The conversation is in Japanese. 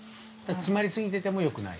◆詰まり過ぎててもよくない？